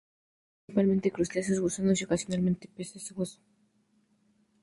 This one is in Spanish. Come principalmente crustáceos, gusanos y, ocasionalmente, peces hueso.